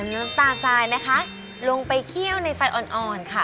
น้ำตาลทรายนะคะลงไปเคี่ยวในไฟอ่อนค่ะ